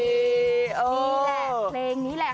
นี่แหละเพลงนี้แหละ